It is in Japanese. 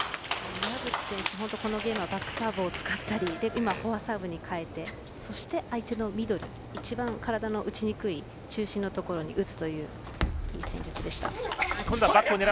岩渕選手、このゲームはバックサーブを使ったり今はフォアサーブに変えて相手のミドル一番、体の打ちにくい中心のところに打つという戦術でした。